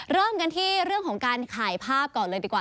เริ่มกันที่เรื่องของการถ่ายภาพก่อนเลยดีกว่า